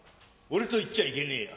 俺と云っちゃいけねえや。